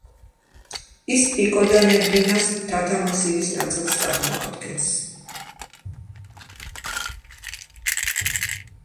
ის პიკო-და-ნებლინას მთათა მასივის ნაწილს წარმოადგენს.